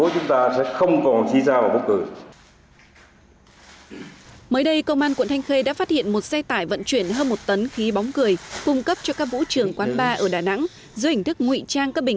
cũng trước đó công an quận thanh khê đã phát hiện một xe tải vận chuyển hơn một tấn khí bóng cười